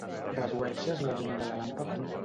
Redueixes la llum de la làmpada?